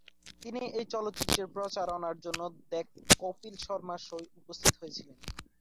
তিনি এই চলচ্চিত্রের প্রচারণার জন্য দ্য কপিল শর্মা শোয় উপস্থিত হয়েছিলেন।